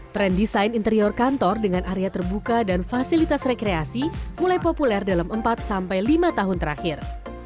trend desain interior kantor dengan area terbuka dan fasilitas rekreasi mulai populer dalam empat sampai lima tahun terakhir